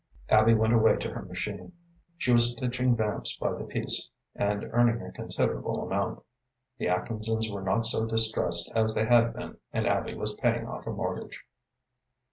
Abby went away to her machine. She was stitching vamps by the piece, and earning a considerable amount. The Atkinses were not so distressed as they had been, and Abby was paying off a mortgage.